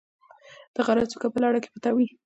د غره څوکه په لړه کې پټه وه.